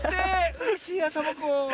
うれしいわサボ子。